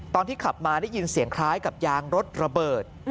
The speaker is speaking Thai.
ตอนที่ขับมาได้ยินเสียงคล้ายกับยางรถระเบิด